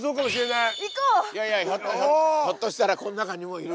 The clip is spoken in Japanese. いやいやひょっとしたらこん中にもういる。